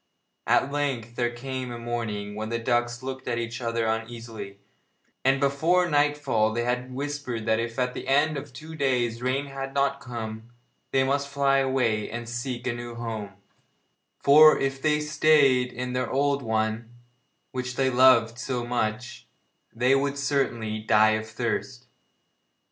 At length there came a morning when the ducks looked at each other uneasily, and before nightfall they had whispered that if at the end of two days rain had not come, they must fly away and seek a new home, for if they stayed in their old one, which they loved so much, they would certainly die of thirst.